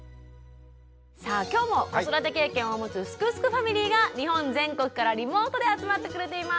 さあ今日も子育て経験を持つ「すくすくファミリー」が日本全国からリモートで集まってくれています。